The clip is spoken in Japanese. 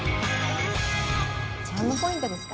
チャームポイントですか？